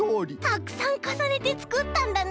たくさんかさねてつくったんだね！